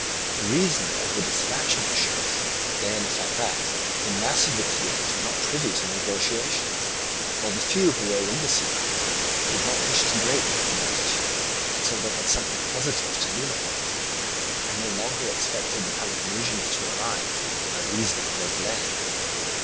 The reason of the dispatch of the ships lay in the fact that the mass of the Chians were not privy to the negotiations, while the few who were in the secret did not wish to break with the multitude until they had something positive to lean upon, and no longer expected the Peloponnesians to arrive by reason of their delay.